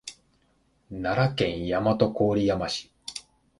奈良県大和郡山市